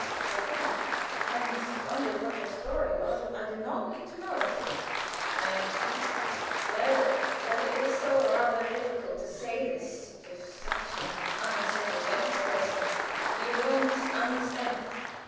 "Certainly, and wondered what your story was; but I do not need to know it to " "I understand. Well, but it is rather difficult to say this to such an unsympathetic person; you won't understand it.